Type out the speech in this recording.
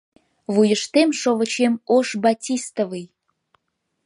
Вуйыштем шовычем ош батистовый